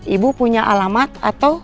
ibu punya alamat atau